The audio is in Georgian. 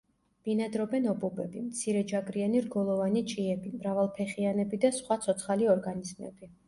ბინადრობენ ობობები, მცირეჯაგრიანი რგოლოვანი ჭიები, მრავალფეხიანები და სხვა ცოცხალი ორგანიზმები.